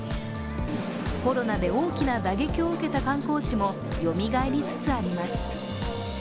コロナで大きな打撃を受けた観光地もよみがえりつつあります。